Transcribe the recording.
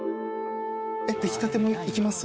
出来たてもいきます？